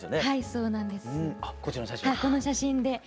はいこの写真で。